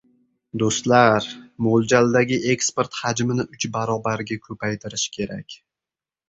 – Doʻstlar! Moʻljaldagi ekport hajmini uch barobarga koʻpaytirish kerak.